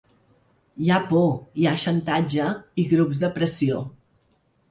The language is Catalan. Hi ha por, hi ha xantatge i grups de pressió.